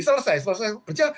selesai selesai bekerja